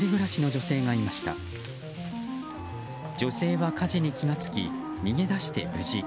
女性は火事に気が付き逃げ出して無事。